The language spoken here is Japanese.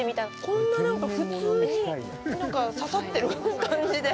こんな普通に刺さってる感じで。